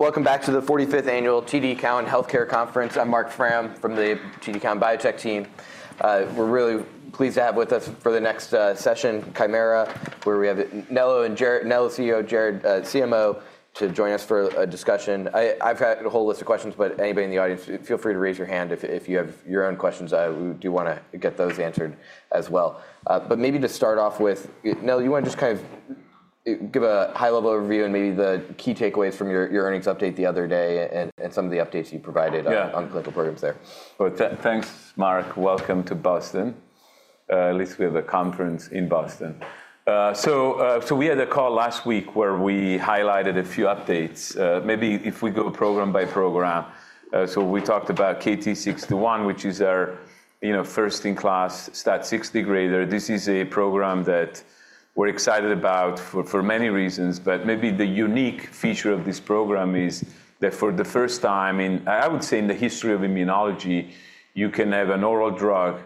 Welcome back to the 45th Annual TD Cowen Healthcare Conference. I'm Marc Frahm from the TD Cowen Biotech team. We're really pleased to have with us for the next session, Kymera, where we have Nello and Jared, Nello CEO, Jared CMO, to join us for a discussion. I've got a whole list of questions, but anybody in the audience, feel free to raise your hand if you have your own questions. We do want to get those answered as well. But maybe to start off with, Nello, you want to just kind of give a high-level overview and maybe the key takeaways from your earnings update the other day and some of the updates you provided on clinical programs there. Thanks, Marc. Welcome to Boston. At least we have a conference in Boston. We had a call last week where we highlighted a few updates. Maybe if we go program by program. We talked about KT-621, which is our first-in-class STAT6 degrader. This is a program that we're excited about for many reasons. Maybe the unique feature of this program is that for the first time in, I would say, in the history of immunology, you can have an oral drug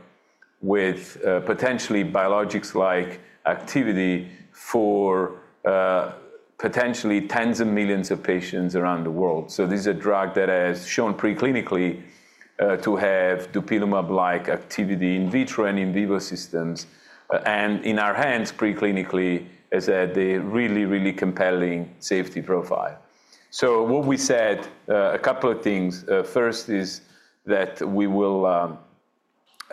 with potentially biologics-like activity for potentially tens of millions of patients around the world. This is a drug that has shown preclinically to have Dupilumab-like activity in vitro and in vivo systems. And in our hands, preclinically, has had a really, really compelling safety profile. What we said, a couple of things. First is that we will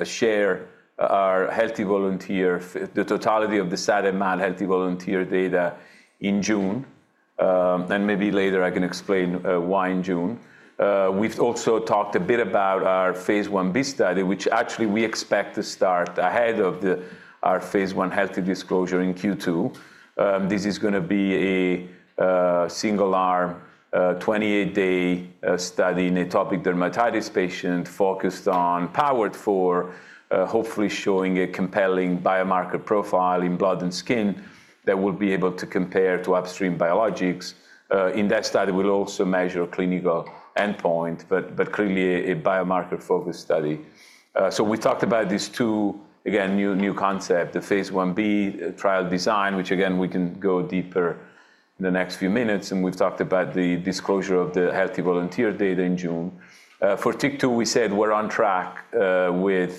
share our healthy volunteer, the totality of the SAD/MAD healthy volunteer data in June. And maybe later I can explain why in June. We've also talked a bit about our phase i-B study, which actually we expect to start ahead of our phase i healthy disclosure in Q2. This is going to be a single-arm, 28-day study in atopic dermatitis patients focused on power for hopefully showing a compelling biomarker profile in blood and skin that will be able to compare to upstream biologics. In that study, we'll also measure clinical endpoint, but clearly a biomarker-focused study. So we talked about these two, again, new concepts, the phase i-B trial design, which again, we can go deeper in the next few minutes. And we've talked about the disclosure of the healthy volunteer data in June. For TYK2, we said we're on track with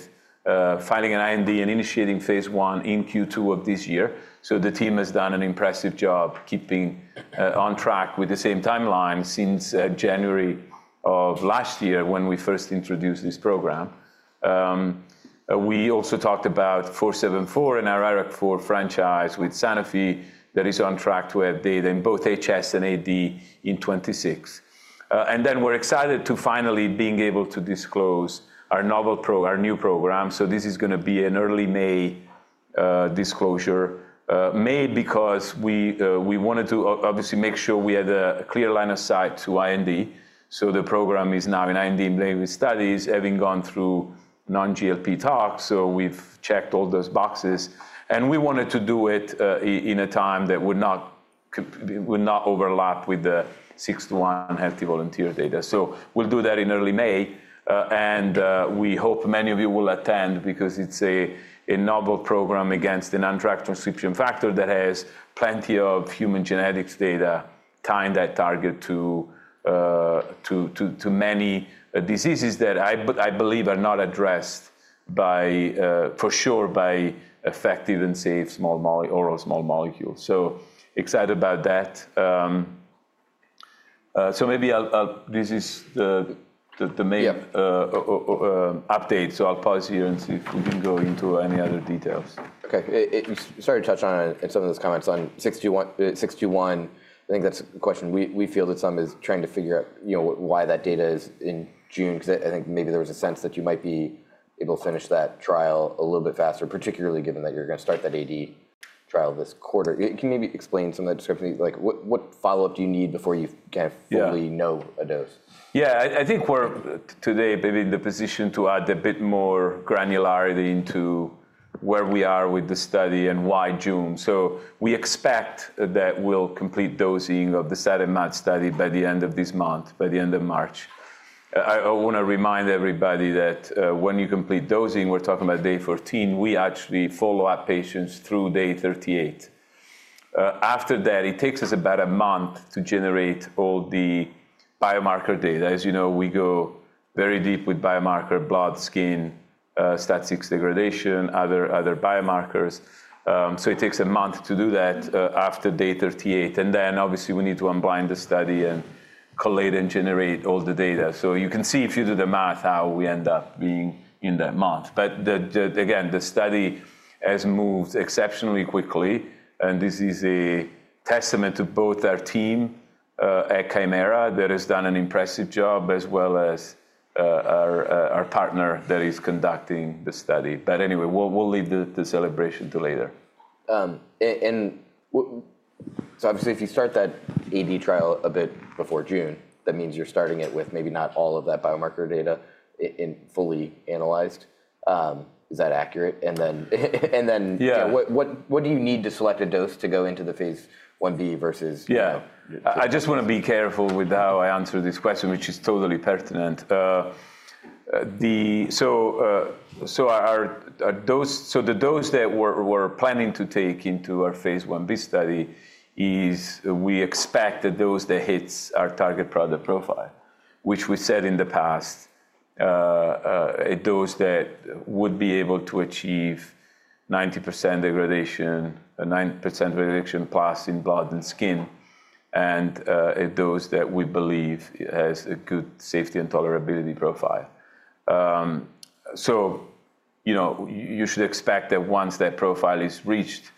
filing an IND and initiating phase i in Q2 of this year. The team has done an impressive job keeping on track with the same timeline since January of last year when we first introduced this program. We also talked about KT-474 and our IRAK4 franchise with Sanofi that is on track to have data in both HS and AD in 2026. Then we're excited to finally be able to disclose our novel new program. This is going to be an early May disclosure, maybe because we wanted to obviously make sure we had a clear line of sight to IND. The program is now in IND-enabling studies, having gone through non-GLP tox. We've checked all those boxes. And we wanted to do it in a time that would not overlap with the 61 healthy volunteer data. So we'll do that in early May. And we hope many of you will attend because it's a novel program against an undrugged transcription factor that has plenty of human genetics data tying that target to many diseases that I believe are not addressed for sure by effective and safe oral small molecules. So excited about that. So maybe this is the main update. So I'll pause here and see if we can go into any other details. OK. Sorry to touch on some of those comments on 621. I think that's a question we fielded. Someone is trying to figure out why that data is in June. Because I think maybe there was a sense that you might be able to finish that trial a little bit faster, particularly given that you're going to start that AD trial this quarter. Can you maybe explain some of that description? What follow-up do you need before you can fully know a dose? Yeah, I think we're today maybe in the position to add a bit more granularity into where we are with the study and why June. So we expect that we'll complete dosing of the SAD/MAD study by the end of this month, by the end of March. I want to remind everybody that when you complete dosing, we're talking about day 14. We actually follow up patients through day 38. After that, it takes us about a month to generate all the biomarker data. As you know, we go very deep with biomarker blood, skin, STAT6 degradation, other biomarkers. So it takes a month to do that after day 38. And then obviously we need to unblind the study and collate and generate all the data. So you can see if you do the math how we end up being in that month. But again, the study has moved exceptionally quickly. And this is a testament to both our team at Kymera that has done an impressive job as well as our partner that is conducting the study. But anyway, we'll leave the celebration to later. And so obviously if you start that AD trial a bit before June, that means you're starting it with maybe not all of that biomarker data fully analyzed. Is that accurate? And then what do you need to select a dose to go into the phase i-B versus? Yeah, I just want to be careful with how I answer this question, which is totally pertinent. So the dose that we're planning to take into our phase i-B study is we expect a dose that hits our target product profile, which we said in the past, a dose that would be able to achieve 90% degradation, 90% reduction plus in blood and skin, and a dose that we believe has a good safety and tolerability profile. So you should expect that once that profile is reached,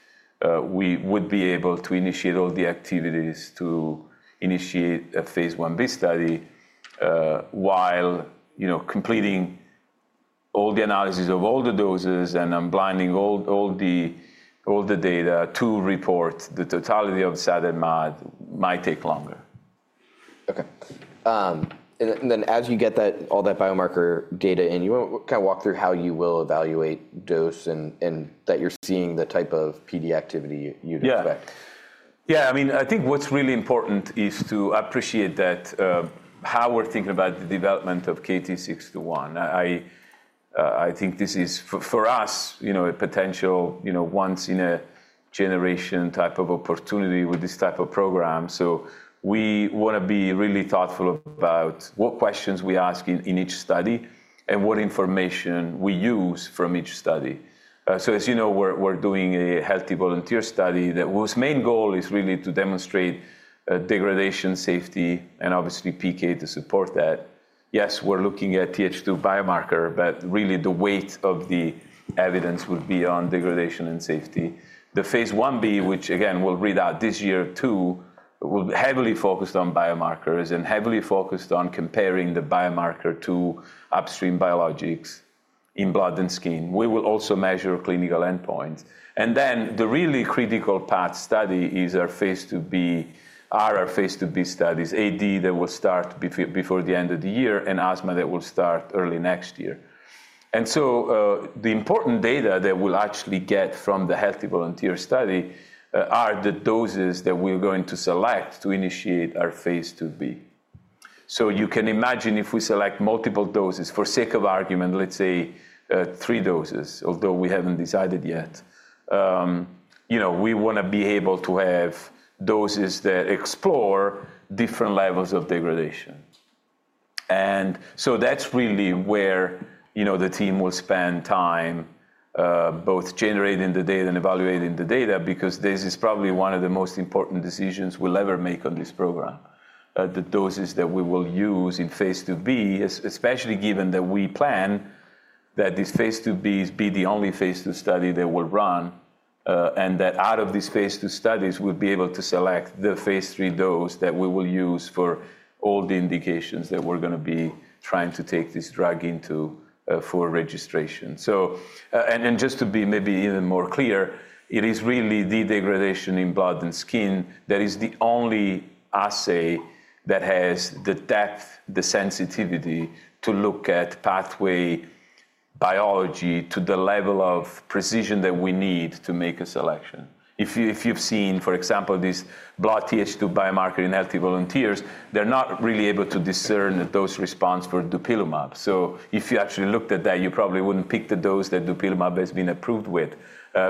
we would be able to initiate all the activities to initiate a phase i-B study while completing all the analysis of all the doses and unblinding all the data to report the totality of SAD/MAD might take longer. Okay. And then as you get all that biomarker data in, you want to kind of walk through how you will evaluate dose and that you're seeing the type of PD activity you'd expect? Yeah, I mean, I think what's really important is to appreciate how we're thinking about the development of KT-621. I think this is, for us, a potential once-in-a-generation type of opportunity with this type of program. So we want to be really thoughtful about what questions we ask in each study and what information we use from each study. So as you know, we're doing a healthy volunteer study that whose main goal is really to demonstrate degradation, safety, and obviously PK to support that. Yes, we're looking at Th2 biomarker, but really the weight of the evidence would be on degradation and safety. The phase i-B, which again, we'll read out this year too, will be heavily focused on biomarkers and heavily focused on comparing the biomarker to upstream biologics in blood and skin. We will also measure clinical endpoints. And then the really critical path study is our phase ii-B, our phase ii-B studies, AD that will start before the end of the year and asthma that will start early next year. And so the important data that we'll actually get from the healthy volunteer study are the doses that we're going to select to initiate our phase ii-B. So you can imagine if we select multiple doses, for the sake of argument, let's say three doses, although we haven't decided yet, we want to be able to have doses that explore different levels of degradation. So that's really where the team will spend time both generating the data and evaluating the data, because this is probably one of the most important decisions we'll ever make on this program, the doses that we will use in phase ii-B, especially given that we plan that this phase ii-B is the only phase ii study that we'll run and that out of these phase ii studies, we'll be able to select the phase iii dose that we will use for all the indications that we're going to be trying to take this drug into for registration. Just to be maybe even more clear, it is really the degradation in blood and skin that is the only assay that has the depth, the sensitivity to look at pathway biology to the level of precision that we need to make a selection. If you've seen, for example, these blood Th2 biomarkers in healthy volunteers, they're not really able to discern those responses for Dupilumab. So if you actually looked at that, you probably wouldn't pick the dose that Dupilumab has been approved with.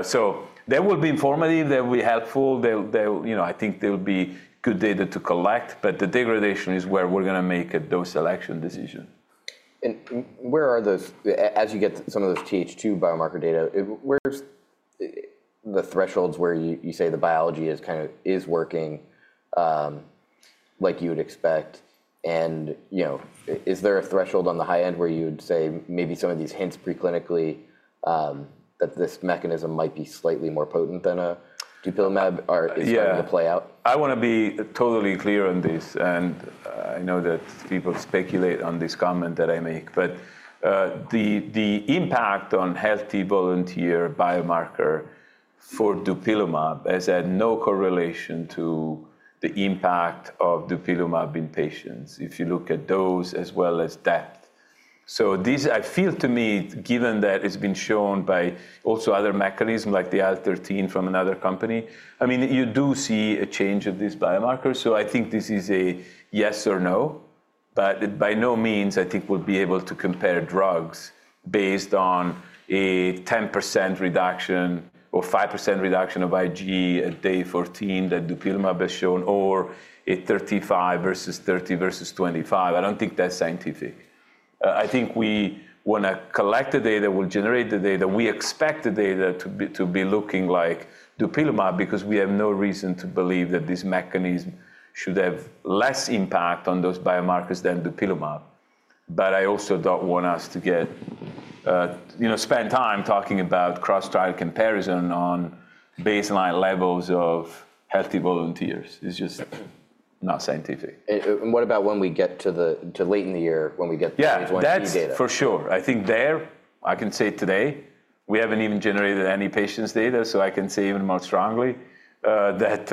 So that will be informative. That will be helpful. I think there will be good data to collect. But the degradation is where we're going to make a dose selection decision. And where are those, as you get some of those Th2 biomarker data, where's the thresholds where you say the biology is kind of working like you would expect? And is there a threshold on the high end where you'd say maybe some of these hints preclinically that this mechanism might be slightly more potent than a Dupilumab? Yeah, I want to be totally clear on this, and I know that people speculate on this comment that I make. But the impact on healthy volunteer biomarker for Dupilumab has had no correlation to the impact of Dupilumab in patients if you look at dose as well as depth. So this, I feel to me, given that it's been shown by also other mechanisms like the IL-13 from another company, I mean, you do see a change of these biomarkers. So I think this is a yes or no. But by no means I think we'll be able to compare drugs based on a 10% reduction or 5% reduction of IgE at day 14 that Dupilumab has shown or a 35 versus 30 versus 25. I don't think that's scientific. I think we want to collect the data. We'll generate the data. We expect the data to be looking like Dupilumab because we have no reason to believe that this mechanism should have less impact on those biomarkers than Dupilumab. But I also don't want us to spend time talking about cross-trial comparison on baseline levels of healthy volunteers. It's just not scientific. What about when we get to late in the year when we get the phase i-B data? Yeah, that's for sure. I think there, I can say today, we haven't even generated any patients' data. So I can say even more strongly that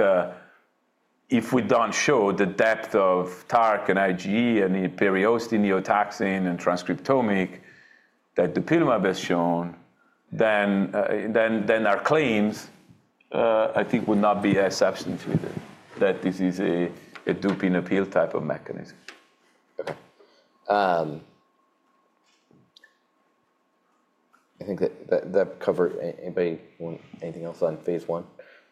if we don't show the depth of TARC and IgE and the periostin, eotaxin, and transcriptomic that Dupilumab has shown, then our claims I think would not be as absent that this is a Dupilumab-appealing type of mechanism. OK. I think that that covered. Anybody want anything else on phase i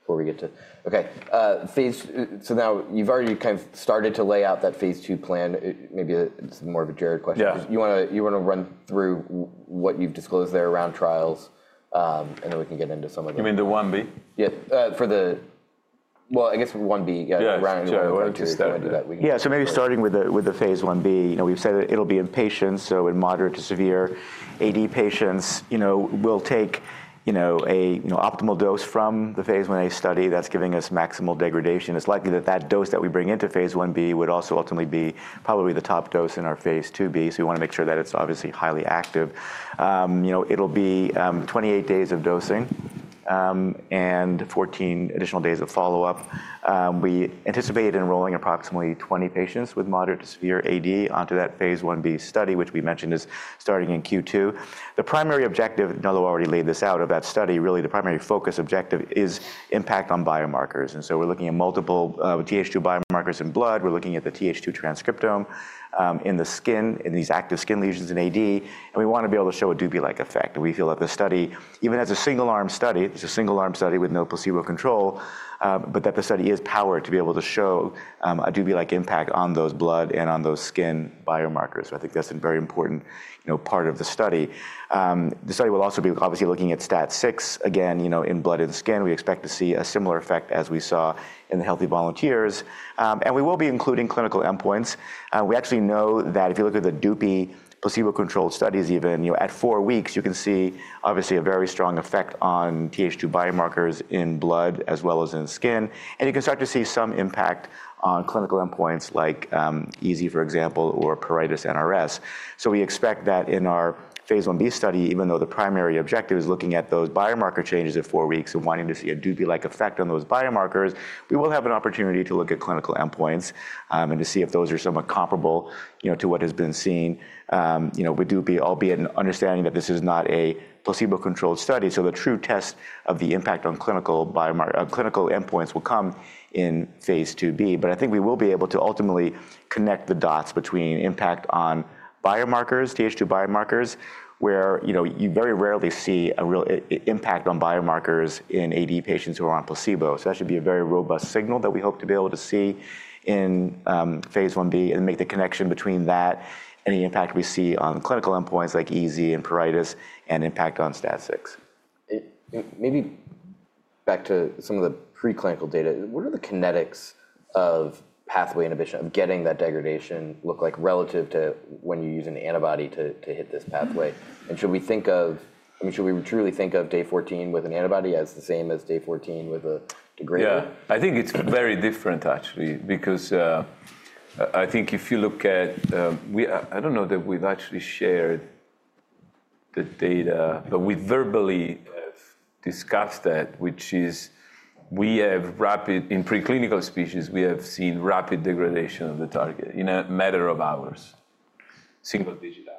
before we get to OK. So now you've already kind of started to lay out that phase ii plan. Maybe it's more of a Jared question. You want to run through what you've disclosed there around trials and then we can get into some of the. You mean the one B? Yeah, for the well, I guess one B. Yeah, around. Yeah, so maybe starting with the phase i-B. We've said it'll be in patients, so in moderate to severe AD patients. We'll take an optimal dose from the phase i-A study that's giving us maximal degradation. It's likely that that dose that we bring into phase i-B would also ultimately be probably the top dose in our phase ii-B. So we want to make sure that it's obviously highly active. It'll be 28 days of dosing and 14 additional days of follow-up. We anticipate enrolling approximately 20 patients with moderate to severe AD onto that phase i-B study, which we mentioned is starting in Q2. The primary objective, Nello already laid this out of that study, really the primary focus objective is impact on biomarkers. And so we're looking at multiple Th2 biomarkers in blood. We're looking at the Th2 transcriptome in the skin, in these active skin lesions in AD. We want to be able to show a Dupi-like effect. We feel that the study, even as a single-arm study, it's a single-arm study with no placebo control, but that the study is powered to be able to show a Dupi-like impact on those blood and on those skin biomarkers. I think that's a very important part of the study. The study will also be obviously looking at STAT6. Again, in blood and skin, we expect to see a similar effect as we saw in the healthy volunteers. We will be including clinical endpoints. We actually know that if you look at the Dupi placebo-controlled studies, even at four weeks, you can see obviously a very strong effect on Th2 biomarkers in blood as well as in skin. You can start to see some impact on clinical endpoints like EZ, for example, or pruritus NRS. We expect that in our phase i-B study, even though the primary objective is looking at those biomarker changes at four weeks and wanting to see a Dupi-like effect on those biomarkers, we will have an opportunity to look at clinical endpoints and to see if those are somewhat comparable to what has been seen with Dupi, albeit understanding that this is not a placebo-controlled study. The true test of the impact on clinical endpoints will come in phase ii-B. I think we will be able to ultimately connect the dots between impact on biomarkers, TH2 biomarkers, where you very rarely see a real impact on biomarkers in AD patients who are on placebo. So that should be a very robust signal that we hope to be able to see in phase i-B and make the connection between that and the impact we see on clinical endpoints like EZ and pruritus and impact on STAT6. Maybe back to some of the preclinical data. What are the kinetics of pathway inhibition of getting that degradation look like relative to when you use an antibody to hit this pathway? And should we think of, I mean, should we truly think of day 14 with an antibody as the same as day 14 with a degraded? Yeah, I think it's very different actually, because I think if you look at, I don't know that we've actually shared the data, but we verbally have discussed that, which is we have rapid, in preclinical species, we have seen rapid degradation of the target in a matter of hours, single-digit hours.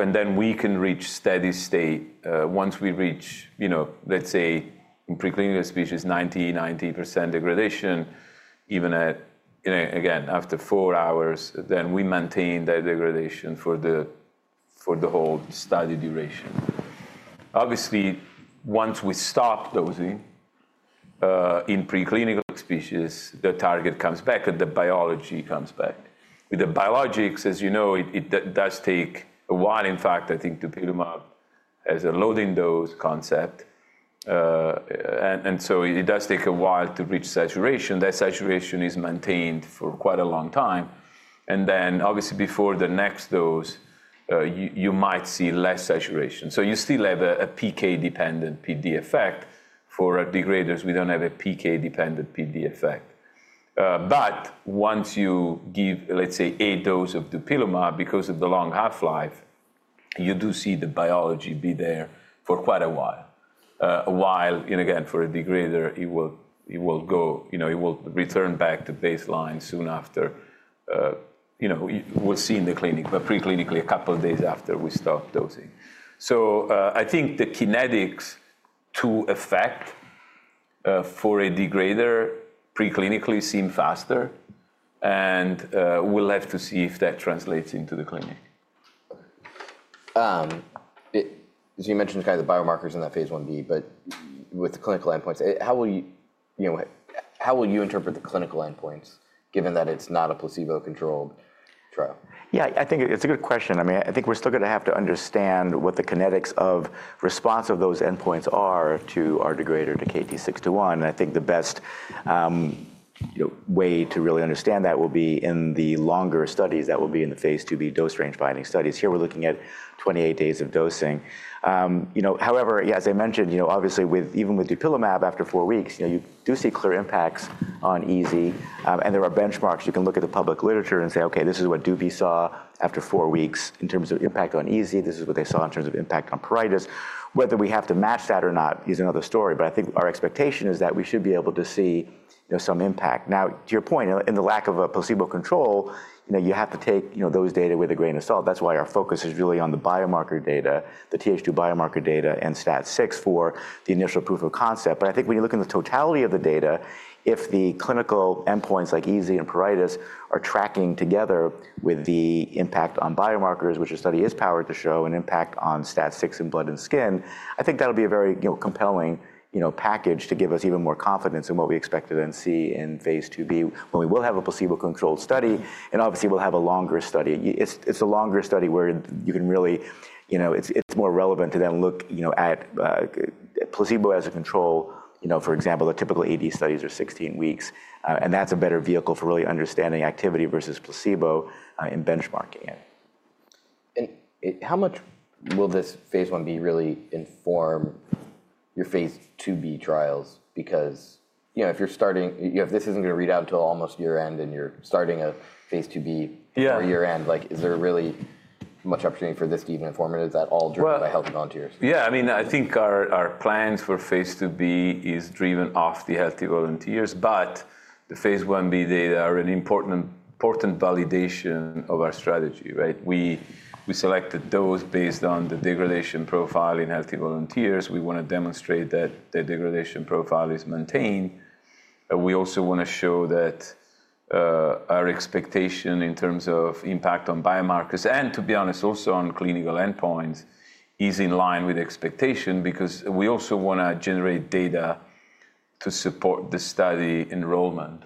And then we can reach steady state once we reach, let's say, in preclinical species, 90% degradation, even at, again, after four hours, then we maintain that degradation for the whole study duration. Obviously, once we stop dosing, in preclinical species, the target comes back and the biology comes back. With the biologics, as you know, it does take a while, in fact, I think, Dupilumab as a loading dose concept. And so it does take a while to reach saturation. That saturation is maintained for quite a long time. And then obviously before the next dose, you might see less saturation. So you still have a PK-dependent PD effect. For degraders, we don't have a PK-dependent PD effect. But once you give, let's say, a dose of Dupilumab because of the long half-life, you do see the biology be there for quite a while, while, again, for a degrader, it will go, it will return back to baseline soon after. We'll see in the clinic, but preclinically, a couple of days after we stop dosing. So I think the kinetics to effect for a degrader preclinically seem faster. And we'll have to see if that translates into the clinic. As you mentioned kind of the biomarkers in that phase i-B, but with the clinical endpoints, how will you interpret the clinical endpoints given that it's not a placebo-controlled trial? Yeah, I think it's a good question. I mean, I think we're still going to have to understand what the kinetics of response of those endpoints are to our degrader to KT-621. And I think the best way to really understand that will be in the longer studies that will be in the phase ii-B dose-ranging studies. Here we're looking at 28 days of dosing. However, yeah, as I mentioned, obviously even with Dupilumab after four weeks, you do see clear impacts on EZ. And there are benchmarks. You can look at the public literature and say, OK, this is what Dupi saw after four weeks in terms of impact on EZ. This is what they saw in terms of impact on pruritus. Whether we have to match that or not is another story. But I think our expectation is that we should be able to see some impact. Now, to your point, in the lack of a placebo control, you have to take those data with a grain of salt. That's why our focus is really on the biomarker data, the TH2 biomarker data, and STAT6 for the initial proof of concept. But I think when you look in the totality of the data, if the clinical endpoints like EZ and pruritus are tracking together with the impact on biomarkers, which the study is powered to show an impact on STAT6 in blood and skin, I think that'll be a very compelling package to give us even more confidence in what we expected and see in phase ii-B when we will have a placebo-controlled study. And obviously, we'll have a longer study. It's a longer study where you can really, it's more relevant to then look at placebo as a control. For example, the typical AD studies are 16 weeks, and that's a better vehicle for really understanding activity versus placebo in benchmarking it. How much will this phase i-B really inform your phase ii-B trials? Because if you're starting, if this isn't going to read out until almost year end and you're starting a phase ii-B for year end, is there really much opportunity for this to even inform it? Is that all driven by healthy volunteers? Yeah, I mean, I think our plans for phase ii-B is driven off the healthy volunteers. But the phase i-B data are an important validation of our strategy. We selected those based on the degradation profile in healthy volunteers. We want to demonstrate that the degradation profile is maintained. We also want to show that our expectation in terms of impact on biomarkers and, to be honest, also on clinical endpoints is in line with expectation because we also want to generate data to support the study enrollment.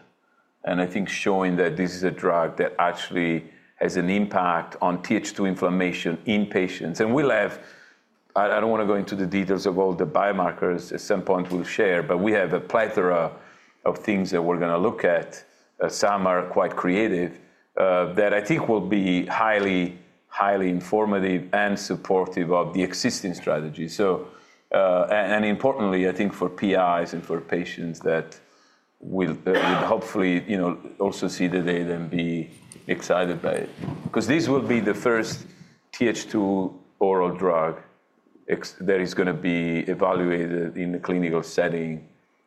I think showing that this is a drug that actually has an impact on Th2 inflammation in patients. We'll have, I don't want to go into the details of all the biomarkers at some point we'll share, but we have a plethora of things that we're going to look at. Some are quite creative that I think will be highly, highly informative and supportive of the existing strategy, and importantly, I think for PIs and for patients that will hopefully also see the data and be excited by it, because this will be the first Th2 oral drug that is going to be evaluated in the clinical setting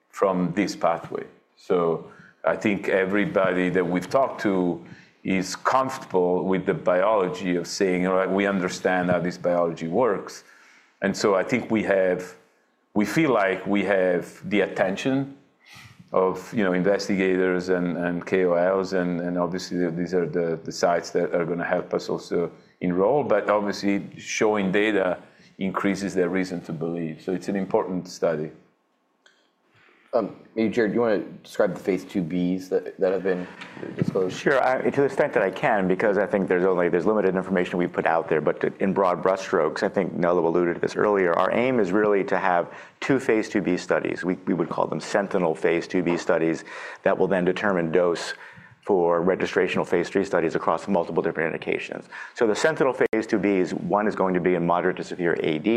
from this pathway. So I think everybody that we've talked to is comfortable with the biology of saying, we understand how this biology works, and so I think we have, we feel like we have the attention of investigators and KOLs, and obviously, these are the sites that are going to help us also enroll, but obviously, showing data increases their reason to believe, so it's an important study. Maybe Jared, do you want to describe the phase ii-B's that have been disclosed? Sure, to the extent that I can, because I think there's limited information we've put out there, but in broad brush strokes, I think Nello alluded to this earlier. Our aim is really to have two phase ii-B studies. We would call them sentinel phase ii-B studies that will then determine dose for registrational phase 3 studies across multiple different indications, so the sentinel phase ii-B's, one is going to be in moderate to severe AD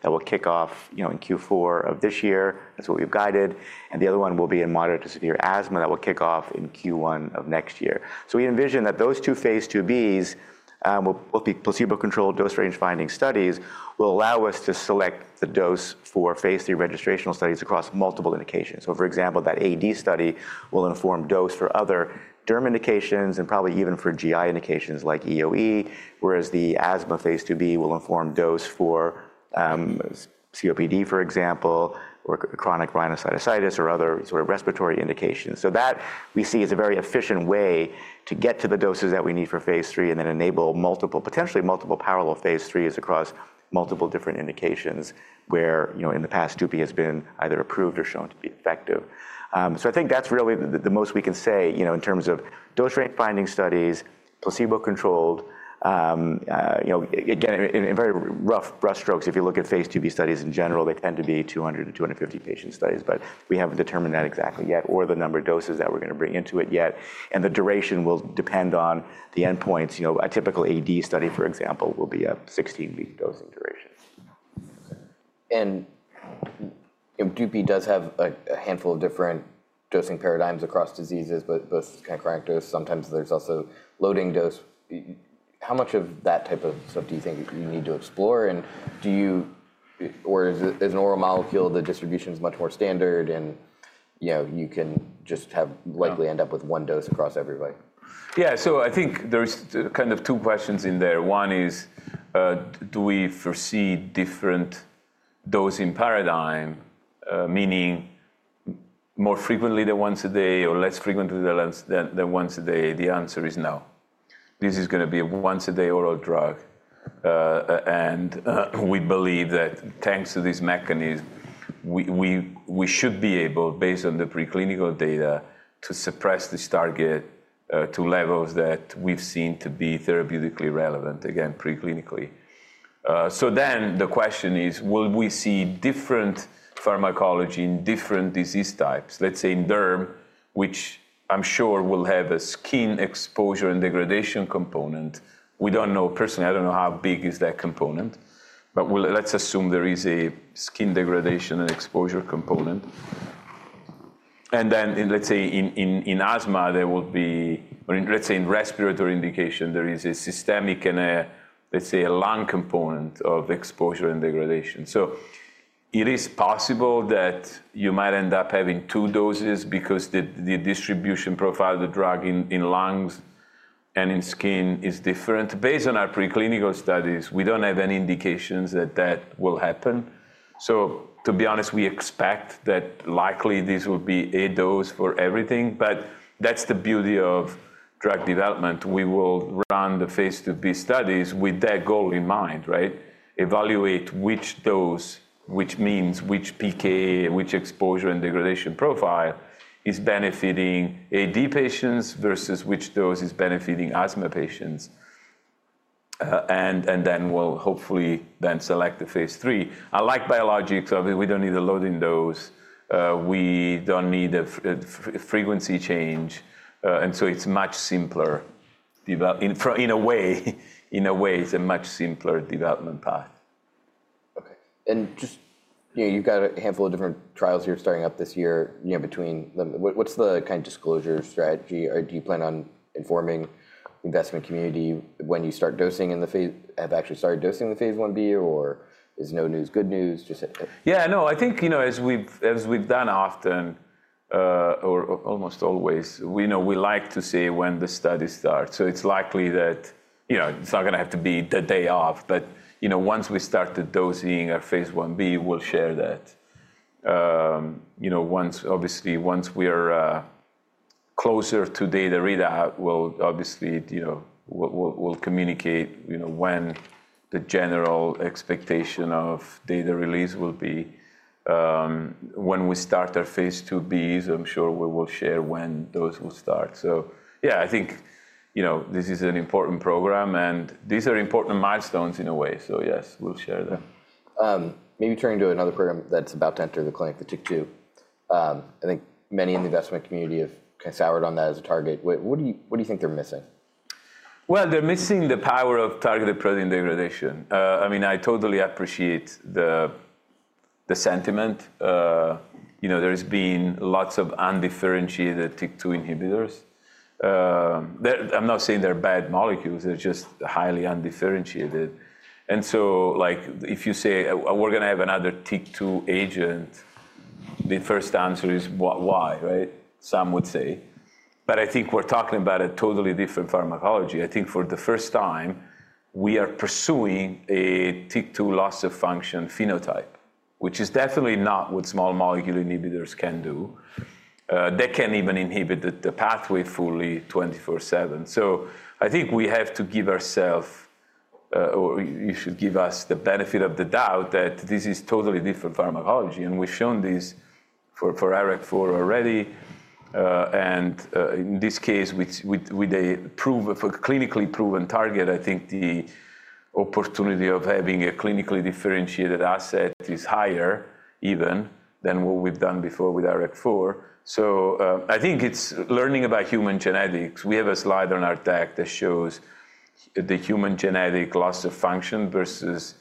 that will kick off in Q4 of this year. That's what we've guided, and the other one will be in moderate to severe asthma that will kick off in Q1 of next year, so we envision that those two phase ii-B's, both the placebo-controlled dose range finding studies, will allow us to select the dose for phase iii registrational studies across multiple indications. For example, that AD study will inform dose for other derm indications and probably even for GI indications like EoE, whereas the asthma phase ii-B will inform dose for COPD, for example, or chronic rhinosinusitis or other sort of respiratory indications. That we see as a very efficient way to get to the doses that we need for phase 3 and then enable multiple potentially multiple parallel phase 3s across multiple different indications where in the past, Dupi has been either approved or shown to be effective. I think that's really the most we can say in terms of dose-ranging studies, placebo-controlled. Again, in very broad brush strokes, if you look at phase ii-B studies in general, they tend to be 200-250 patient studies. But we haven't determined that exactly yet or the number of doses that we're going to bring into it yet. And the duration will depend on the endpoints. A typical AD study, for example, will be a 16-week dosing duration. Dupi does have a handful of different dosing paradigms across diseases, but both kind of chronic dose. Sometimes there's also loading dose. How much of that type of stuff do you think you need to explore? Or is an oral molecule, the distribution is much more standard and you can just have likely end up with one dose across everybody? Yeah, so I think there's kind of two questions in there. One is, do we foresee different dosing paradigm, meaning more frequently than once a day or less frequently than once a day? The answer is no. This is going to be a once-a-day oral drug. And we believe that thanks to this mechanism, we should be able, based on the preclinical data, to suppress this target to levels that we've seen to be therapeutically relevant, again, preclinically. So then the question is, will we see different pharmacology in different disease types? Let's say in derm, which I'm sure will have a skin exposure and degradation component. We don't know. Personally, I don't know how big is that component. But let's assume there is a skin degradation and exposure component. And then, let's say in asthma, there will be, let's say, in respiratory indication, there is a systemic and a, let's say, a lung component of exposure and degradation. So it is possible that you might end up having two doses because the distribution profile of the drug in lungs and in skin is different. Based on our preclinical studies, we don't have any indications that that will happen. So to be honest, we expect that likely this will be a dose for everything. But that's the beauty of drug development. We will run the phase ii-B studies with that goal in mind, right? Evaluate which dose, which means which PK, which exposure and degradation profile is benefiting AD patients versus which dose is benefiting asthma patients. And then we'll hopefully then select the phase iii. Unlike biologics, we don't need a loading dose. We don't need a frequency change, and so it's much simpler in a way. In a way, it's a much simpler development path. OK. And just, you've got a handful of different trials here starting up this year between them. What's the kind of disclosure strategy? Or do you plan on informing the investment community when you start dosing in the phase, have actually started dosing the phase i-B? Or is no news good news? Yeah, no, I think as we've done often, or almost always, we like to say when the study starts. So it's likely that it's not going to have to be the day off. But once we start the dosing of phase i-B, we'll share that. Obviously, once we are closer to data readout, we'll obviously communicate when the general expectation of data release will be. When we start our phase ii-Bs, I'm sure we will share when those will start. So yeah, I think this is an important program, and these are important milestones in a way. So yes, we'll share them. Maybe turning to another program that's about to enter the clinic, the TYK2. I think many in the investment community have kind of soured on that as a target. What do you think they're missing? They're missing the power of targeted protein degradation. I mean, I totally appreciate the sentiment. There has been lots of undifferentiated TYK2 inhibitors. I'm not saying they're bad molecules. They're just highly undifferentiated, and so if you say, we're going to have another TYK2 agent, the first answer is, why? Right? Some would say, but I think we're talking about a totally different pharmacology. I think for the first time, we are pursuing a TYK2 loss of function phenotype, which is definitely not what small molecule inhibitors can do. They can't even inhibit the pathway fully 24/7, so I think we have to give ourselves, or you should give us the benefit of the doubt that this is totally different pharmacology, and we've shown this for IRAK4 already. And in this case, with a clinically proven target, I think the opportunity of having a clinically differentiated asset is higher even than what we've done before with IRAK4. So I think it's learning about human genetics. We have a slide on our deck that shows the human genetic loss of function versus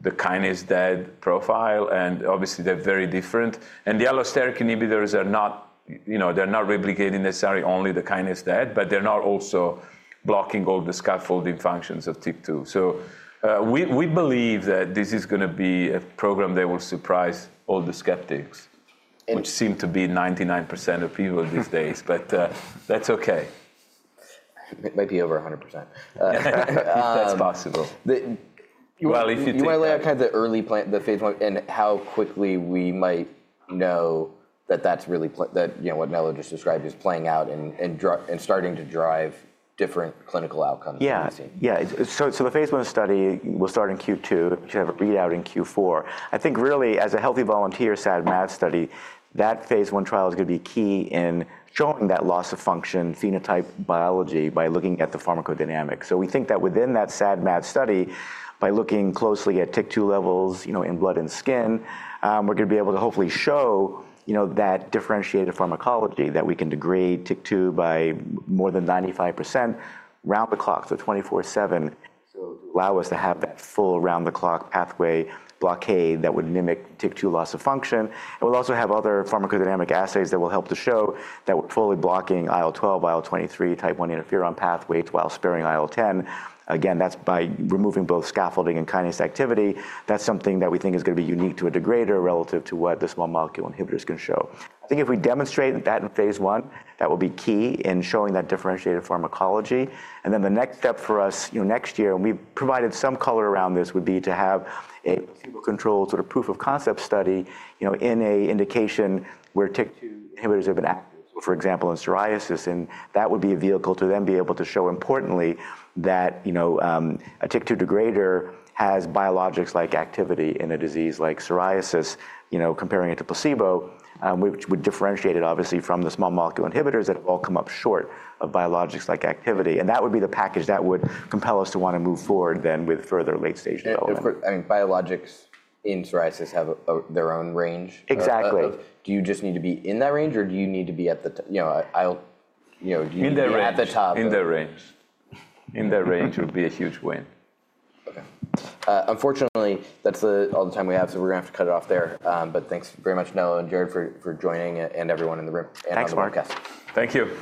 the kinases-dead profile. And obviously, they're very different. And the allosteric inhibitors are not, they're not replicating necessarily only the kinases-dead, but they're not also blocking all the scaffolding functions of TYK2. So we believe that this is going to be a program that will surprise all the skeptics, which seem to be 99% of people these days. But that's OK. Maybe over 100%. That's possible, well, if you take. You want to lay out kind of the early plan, the phase i and how quickly we might know that that's really what Nello just described is playing out and starting to drive different clinical outcomes that we've seen. Yeah, yeah. So the phase i study will start in Q2, which will have a readout in Q4. I think really, as a healthy volunteer SAD-MAD study, that phase i trial is going to be key in showing that loss of function phenotype biology by looking at the pharmacodynamics. So we think that within that SAD-MAD study, by looking closely at TYK2 levels in blood and skin, we're going to be able to hopefully show that differentiated pharmacology that we can degrade TYK2 by more than 95% round the clock, so 24/7, to allow us to have that full round-the-clock pathway blockade that would mimic TYK2 loss of function. And we'll also have other pharmacodynamic assays that will help to show that we're fully blocking IL-12, IL-23 type 1 interferon pathways while sparing IL-10. Again, that's by removing both scaffolding and kinases activity. That's something that we think is going to be unique to a degrader relative to what the small molecule inhibitors can show. I think if we demonstrate that in phase i, that will be key in showing that differentiated pharmacology. And then the next step for us next year, and we've provided some color around this, would be to have a placebo-controlled sort of proof of concept study in an indication where TYK2 inhibitors have been active, for example, in psoriasis. And that would be a vehicle to then be able to show importantly that a TYK2 degrader has biologics-like activity in a disease like psoriasis, comparing it to placebo, which would differentiate it obviously from the small molecule inhibitors that have all come up short of biologics-like activity. That would be the package that would compel us to want to move forward then with further late-stage development. I mean, biologics in psoriasis have their own range. Exactly. Do you just need to be in that range? Or do you need to be at the top? In that range. In that range would be a huge win. OK. Unfortunately, that's all the time we have. So we're going to have to cut it off there. But thanks very much, Nello and Jared, for joining and everyone in the room. Thanks, Mark. Thank you.